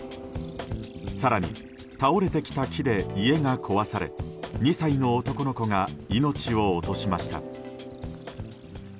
更に倒れてきた木で家が壊され２歳の男の子が命を落としました。